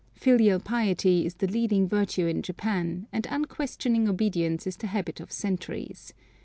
Filial piety is the leading virtue in Japan, and unquestioning obedience is the habit of centuries.